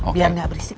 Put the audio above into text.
biar gak berisik